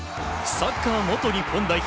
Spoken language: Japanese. サッカー元日本代表